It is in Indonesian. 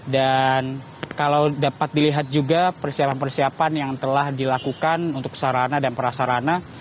dan kalau dapat dilihat juga persiapan persiapan yang telah dilakukan untuk sarana dan prasarana